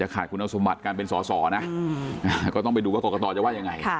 ขาดคุณสมบัติการเป็นสอสอนะก็ต้องไปดูว่ากรกตจะว่ายังไง